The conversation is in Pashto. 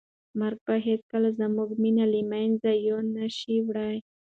مرګ به هیڅکله زموږ مینه له منځه یو نه شي وړی.